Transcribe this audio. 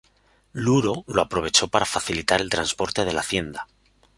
Luro lo aprovechó para facilitar el transporte de la hacienda.